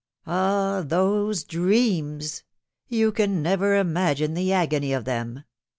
" Ah, those dreams I You can never imagine the agony of them.